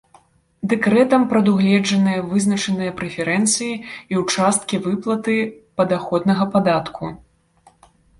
Дэкрэтам прадугледжаныя вызначаныя прэферэнцыі і ў часткі выплаты падаходнага падатку.